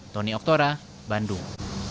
tony oktora bandung